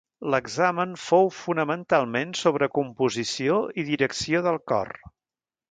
L'examen fou fonamentalment sobre composició i direcció del cor.